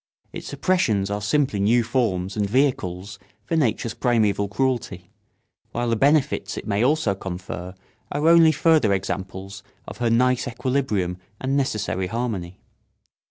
Its oppressions are simply new forms and vehicles for nature's primeval cruelty, while the benefits it may also confer are only further examples of her nice equilibrium and necessary harmony.